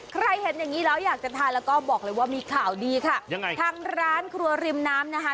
ใครเห็นอย่างงี้แล้วอยากจะทานแล้วก็บอกเลยว่ามีข่าวดีค่ะยังไงทางร้านครัวริมน้ำนะคะ